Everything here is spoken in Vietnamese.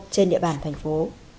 trên địa bàn thành phố